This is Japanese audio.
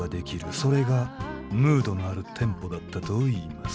それがムードのあるテンポだったといいます「」